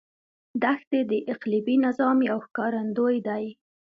دښتې د اقلیمي نظام یو ښکارندوی دی.